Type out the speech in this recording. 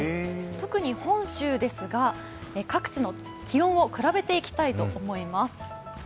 特に本州ですが、各地の気温を比べていきたいと思います。